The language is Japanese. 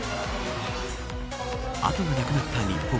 後がなくなった日本。